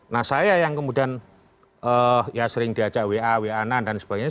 nah saya yang kemudian ya sering diajak wa wa anan dan sebagainya